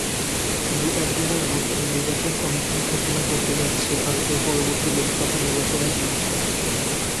দু-একদিনের মধ্যে নির্বাচন কমিশন ঘোষণা করতে যাচ্ছে ভারতের পরবর্তী লোকসভা নির্বাচনের দিনক্ষণ।